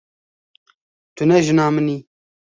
Tu ne jina min î.